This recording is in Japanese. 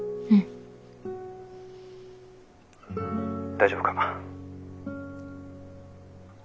大丈夫か？